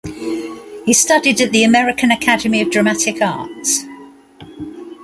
He studied at the American Academy of Dramatic Arts.